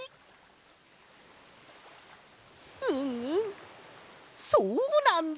うんうんそうなんだ！